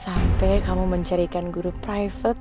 sampai kamu mencarikan guru private